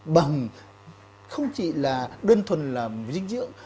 bằng không chỉ là đơn thuần là dịch dưỡng